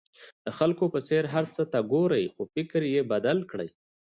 د خلکو په څېر هر څه ته ګورئ خو فکر یې بدل کړئ.